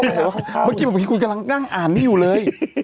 เมื่อกี้บอกพี่คุณกำลังนั่งอ่านนี่อยู่เลย